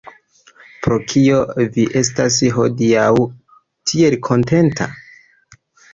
Pro kio vi estas hodiaŭ tiel kontenta?